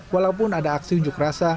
walaupun ada aksi unjuk rasa